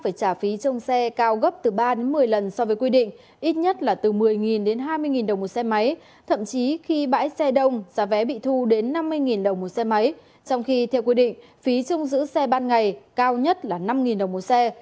phải trả phí trong xe cao gấp từ ba đến một mươi lần so với quy định ít nhất là từ một mươi đến hai mươi đồng một xe máy thậm chí khi bãi xe đông giá vé bị thu đến năm mươi đồng một xe máy trong khi theo quy định phí chung giữ xe ban ngày cao nhất là năm đồng một xe